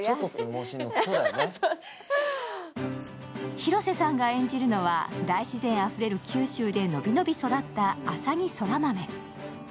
広瀬さんが演じるのは大自然あふれる九州で伸び伸び育った浅葱空豆。